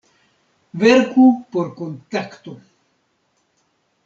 Verku por Kontakto!